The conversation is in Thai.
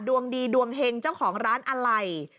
ดวงดีดวงเฮงเจ้าของร้านอะไร